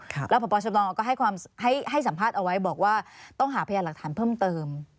แล้วพบชนก็ให้สัมภาษณ์เอาไว้บอกว่าต้องหาพยานหลักฐานเพิ่มเติม